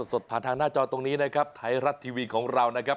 สดผ่านทางหน้าจอตรงนี้นะครับไทยรัฐทีวีของเรานะครับ